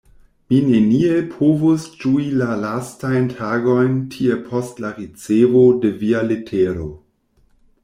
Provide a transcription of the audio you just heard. Mi neniel povus ĝui la lastajn tagojn tie post la ricevo de via letero.